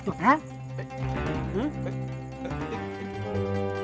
bersumpah tuh kan